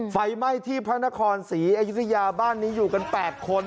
ไฟไหม้ที่พระนครศรีอยุธยาบ้านนี้อยู่กัน๘คน